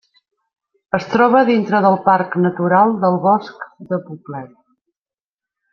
Es troba dintre del Parc Natural del Bosc de Poblet.